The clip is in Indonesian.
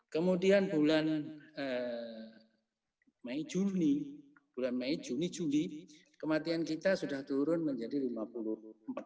kemudian bulan mei juni bulan mei juni juli kematian kita sudah turun menurun